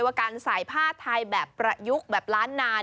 ว่าการใส่ผ้าไทยแบบประยุกต์แบบล้านนาน